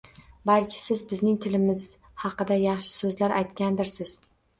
Balki siz bizning tilimiz haqida yaxshi so'zlar aytgandirsiz